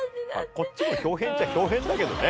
こっちも豹変っちゃ豹変だけどね